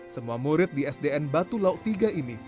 semua murid di sdn batu lauk tiga ini